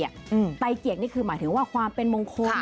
ยาานี่คือหมายถึงว่าความเป็นมงคล